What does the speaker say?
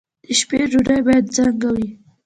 د شپې ډوډۍ باید څنګه وي؟